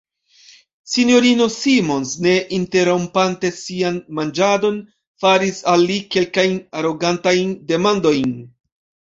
S-ino Simons, ne interrompante sian manĝadon, faris al li kelkajn arogantajn demandojn.